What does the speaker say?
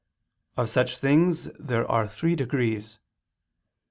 Of such things there are three degrees.